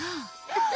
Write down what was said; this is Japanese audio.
フフフフ。